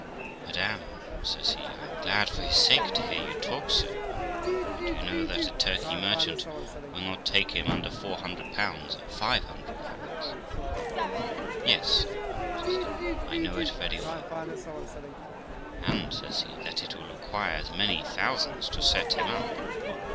'Madam', says he, 'I am glad for his sake to hear you talk so; but do you know that a Turkey merchant will not take him under 400 or 5 *' 'Yes, sir', says Amy, 'I know it very well.' ' And ', says he, ' that it will require as many thousands to set him up